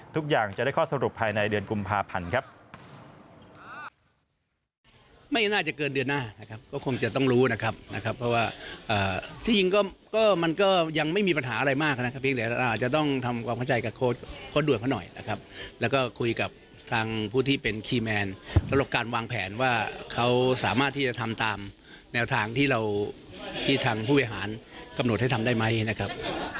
ทุกอย่างจะได้ข้อสรุปภายในเดือนกุมภาพันธ์ครับ